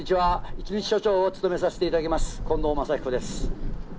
一日署長を務めさせていただきます、近藤真彦です。